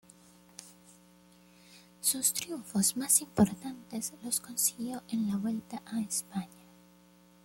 Sus triunfos más importantes los consiguió en la Vuelta a España.